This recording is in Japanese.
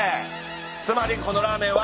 つまりこのラーメンは。